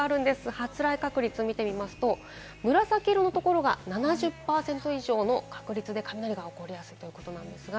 発雷確率見てみますと、紫色のところが７０％以上の確率で雷が起こりやすくなっています。